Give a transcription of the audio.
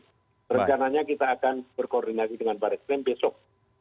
perjananya kita akan berkoordinasi dengan barat krim besok